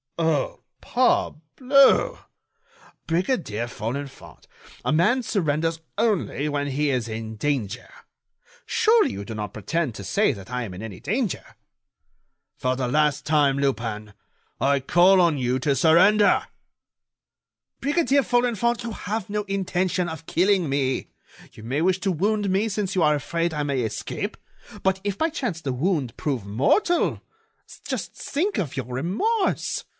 "Oh! parbleu! Brigadier Folenfant, a man surrenders only when he is in danger. Surely, you do not pretend to say that I am in any danger." "For the last time, Lupin, I call on you to surrender." "Brigadier Folenfant, you have no intention of killing me; you may wish to wound me since you are afraid I may escape. But if by chance the wound prove mortal? Just think of your remorse!